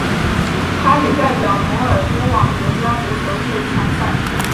他也代表摩尔多瓦国家足球队参赛。